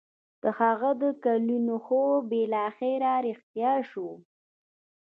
د هغه د کلونو خوب بالاخره رښتيا شوی و.